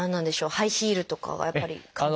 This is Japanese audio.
ハイヒールとかがやっぱり関係。